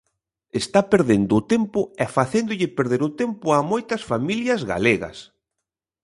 Está perdendo o tempo e facéndolle perder o tempo a moitas familias galegas.